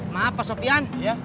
maaf pak sofian